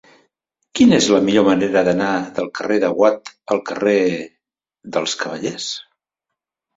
Quina és la millor manera d'anar del carrer de Watt al carrer dels Cavallers?